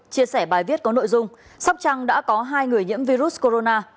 chia sẻ bài viết có nội dung sóc trăng đã có hai người nhiễm virus corona